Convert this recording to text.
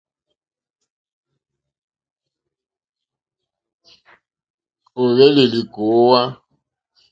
Ò hwélì lìkòówá.